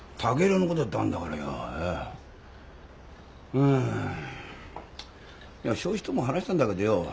うーんいや正一とも話したんだけどよ